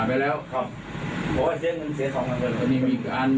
พันไปแล้วครับเพราะว่าเสียหนึ่งเสียสองหนึ่งอันนี้มีอีกอัน